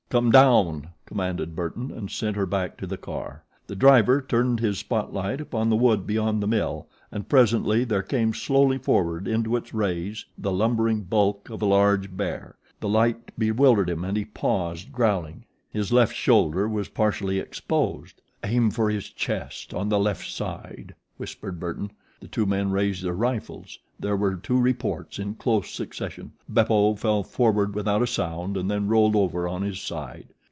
"Come down!" commanded Burton, and sent her back to the car. The driver turned his spot light upon the wood beyond the mill and presently there came slowly forward into its rays the lumbering bulk of a large bear. The light bewildered him and he paused, growling. His left shoulder was partially exposed. "Aim for his chest, on the left side," whispered Burton. The two men raised their rifles. There were two reports in close succession. Beppo fell forward without a sound and then rolled over on his side.